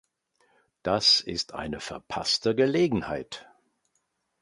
Das ist eine verpasste Gelegenheit.